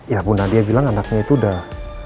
ya bu nadia bilang anaknya itu udah